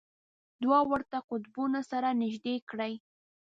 دوه ورته قطبونه سره نژدې کړئ.